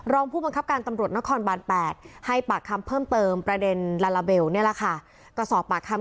รองผู้บังคับการตำรวจนครบาน๘ให้ปากคำเพิ่มเติมประเด็นลาลาเบลนี่แหละค่ะ